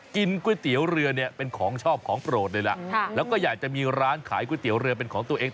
ก๋วยเตี๋ยวเรือเนี่ยเป็นของชอบของโปรดเลยล่ะแล้วก็อยากจะมีร้านขายก๋วยเตี๋ยวเรือเป็นของตัวเอง